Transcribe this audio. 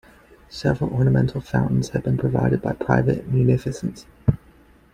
Several ornamental fountains have been provided by private munificence.